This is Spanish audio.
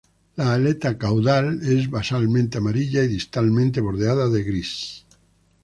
La aleta caudal es basalmente amarilla y distalmente bordeada de gris.